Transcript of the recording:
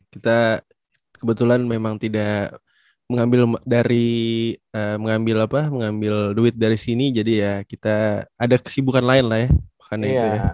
kita kebetulan memang tidak mengambil duit dari sini jadi ya kita ada kesibukan lain lah ya